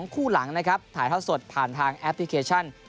คู่หลังนะครับถ่ายเท่าสดผ่านทางแอปพลิเคชัน